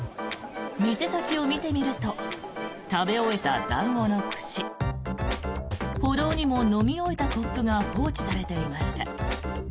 店先を見てみると食べ終えた団子の串歩道にも飲み終えたコップが放置されていました。